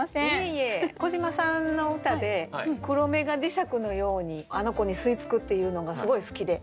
いえいえ小島さんの歌で「黒目が磁石のようにあの娘に吸い付く」っていうのがすごい好きで。